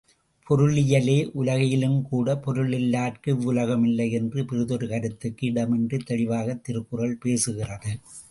பொருளியலே உலகியலும்கூட பொருளில்லார்க்கு இவ்வுலகமில்லை என்ற பிறிதொரு கருத்துக்கு இடமின்றித் தெளிவாகத் திருக்குறள் பேசுகிறது.